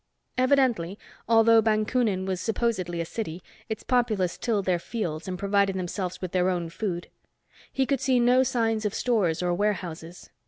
Evidently, although Bakunin was supposedly a city, its populace tilled their fields and provided themselves with their own food. He could see no signs of stores or warehouses.